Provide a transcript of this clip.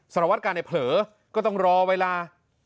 สารวัตการณ์เผลอก็ต้องรอเวลา